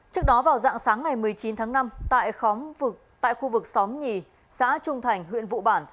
trước đó vào dạng sáng ngày một mươi chín tháng năm tại khóng vực tại khu vực xóm nhì xã trung thành huyện vụ bản